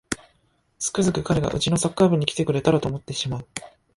つくづく彼がうちのサッカー部に来てくれたらと思ってしまう